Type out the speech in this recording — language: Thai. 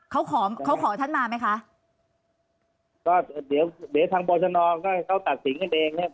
เขาขอเขาขอท่านมาไหมคะก็เดี๋ยวเดี๋ยวทางบรชนก็ให้เขาตัดสินกันเองเนี้ย